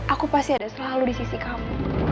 aku pasti ada selalu di sisi kamu